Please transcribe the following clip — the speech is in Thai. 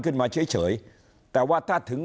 ขึ้นมาเฉยเฉยแต่ว่าถ้าถึง